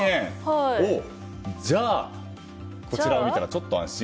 じゃあ、こちらを見たらちょっと安心？